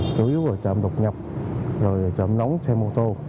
tối ưu là trộm độc nhập rồi trộm nóng xe mô tô